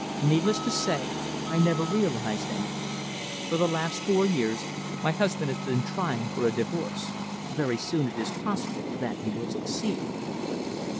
Needless to say, I never realized any! For the last four years my husband has been trying for a divorce! Very soon it is possible that he will succeed."